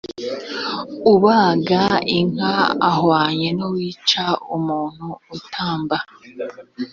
ubaga inka ahwanye n uwica umuntu utamba